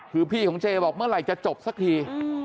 คือพี่ของเจบอกเมื่อไหร่จะจบสักที